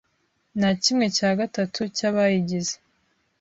na kimwe cya gatatu cy abayigize